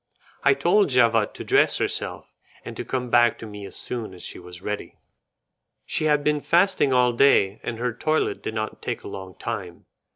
I told Javotte to dress herself, and to come back to me as soon as she was ready. She had been fasting all day, and her toilet did not take a long time.